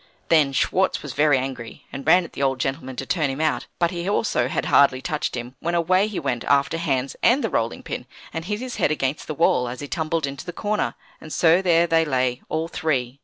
Then Schwartz was very angry, and ran at the old gentleman to turn him out; but he also had hardly touched him, when away he went after Hans and the rolling pin, and hit his head against the wall as he tumbled into the corner. And so there they lay, all three.